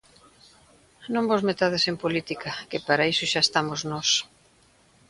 Non vos metades en política, que para iso xa estamos nós.